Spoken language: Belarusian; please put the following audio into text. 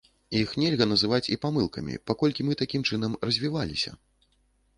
Іх нельга называць і памылкамі, паколькі мы такім чынам развіваліся.